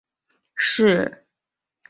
是室町时代幕府三管领之一。